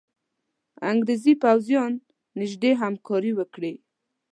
انګرېزي پوځیان نیژدې همکاري وکړي.